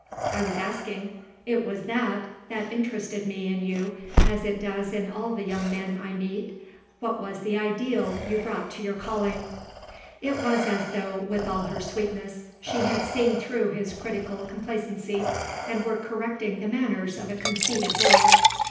I was asking it was that that interested me in you, as it does in all the young men I meet what was the ideal you brought to your calling." It was as though, with all her sweetness, she had seen through his critical complacency and were correcting the manners of a conceited boy.